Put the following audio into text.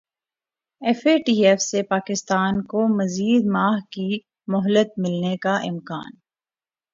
F A T F سے پاکستان کو مزید ماہ کی مہلت ملنے کا امکان